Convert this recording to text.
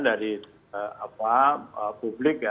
dari apa publik ya